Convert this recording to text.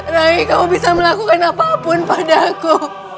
rai kamu bisa melakukan apapun padaku